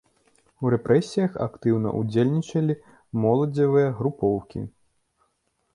У рэпрэсіях актыўна ўдзельнічалі моладзевыя групоўкі.